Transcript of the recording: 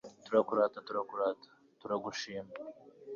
turakurata (turakurata), turagushima